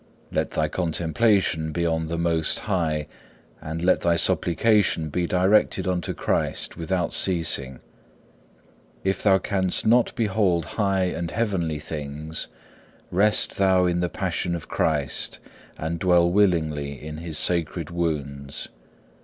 Let thy contemplation be on the Most High, and let thy supplication be directed unto Christ without ceasing. If thou canst not behold high and heavenly things, rest thou in the passion of Christ and dwell willingly in His sacred wounds.